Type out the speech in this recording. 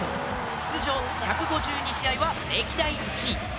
出場１５２試合は歴代１位。